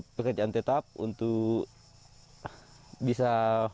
pekerjaan tetap untuk bisa